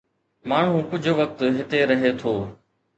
ماڻهو ڪجهه وقت هتي رهي ٿو.